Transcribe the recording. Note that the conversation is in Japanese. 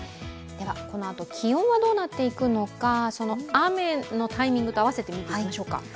このあと、気温はどうなっていくのか、雨のタイミングと合わせて見ていきましょうか。